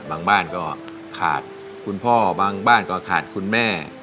บางบ้านก็ขาดคุณพ่อบางบ้านก็ขาดคุณแม่